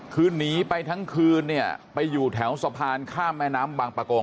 คือหนีไปทั้งคืนเนี่ยไปอยู่แถวสะพานข้ามแม่น้ำบางประกง